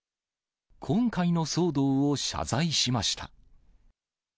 今回の騒動を謝罪しました。